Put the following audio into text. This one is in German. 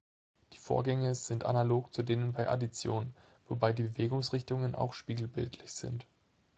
Die Vorgänge sind analog zu denen bei Addition, wobei die Bewegungsrichtungen auch spiegelbildlich sind.